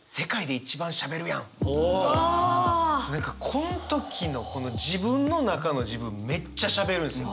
こん時の自分の中の自分めっちゃしゃべるんですよ。